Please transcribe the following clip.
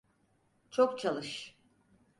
Çok çalış.